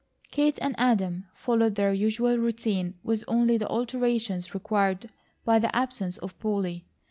Kate and Adam followed their usual routine with only the alterations required by the absence of Polly.